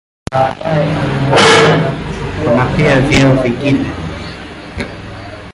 Kuna pia vyeo vingine.